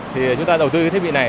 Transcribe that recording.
thì chúng ta đầu tư cái thiết bị này